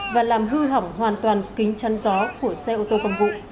và làm hư hỏng hoàn toàn kính chăn gió của xe ô tô công vụ